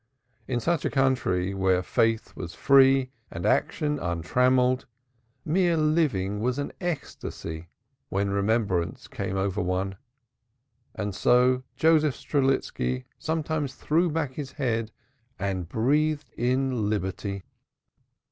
In such a country, where faith was free and action untrammelled, mere living was an ecstasy when remembrance came over one, and so Joseph Strelitski sometimes threw back his head and breathed in liberty.